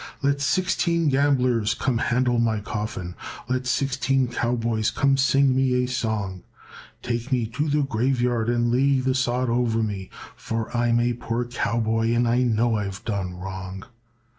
"Let sixteen gamblers come handle my coffin, Let sixteen cowboys come sing me a song, Take me to the graveyard and lay the sod o'er me, For I'm a poor cowboy and I know I've done wrong.